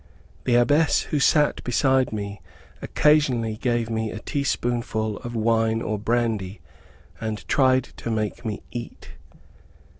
The Abbess who sat beside me, occasionally gave me a tea spoonful of wine or brandy, and tried to make me eat.